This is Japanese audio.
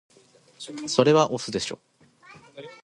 それは押忍でしょ